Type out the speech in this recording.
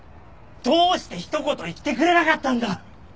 どうして一言言ってくれなかったんだ！